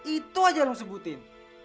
itu aja lo sebutin